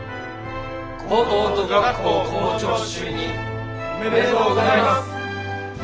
高等女学校校長就任おめでとうございます。